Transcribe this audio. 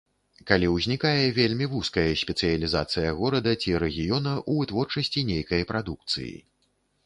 Калі ўзнікае вельмі вузкая спецыялізацыя горада ці рэгіёна ў вытворчасці нейкай прадукцыі.